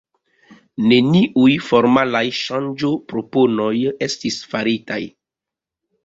Neniuj formalaj ŝanĝoproponoj estis faritaj.